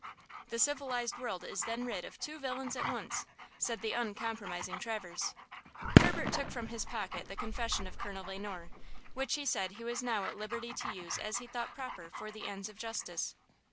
"The civilized world is then rid of two villains at once," said the uncompromising Traverse. Herbert took from his pocket the confession of Colonel Le Noir, which he said he was now at liberty to use as he thought proper for the ends of justice.